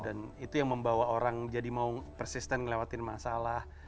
dan itu yang membawa orang jadi mau persisten ngelewatin masalah